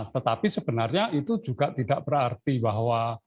tetapi sebenarnya itu juga tidak berarti bahwa